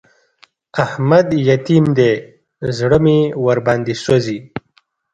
احمد يتيم دی؛ زړه مې ور باندې سوځي.